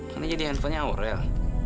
mana jadi handphonenya aurel